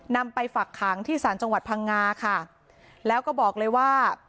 ไปฝักขังที่ศาลจังหวัดพังงาค่ะแล้วก็บอกเลยว่า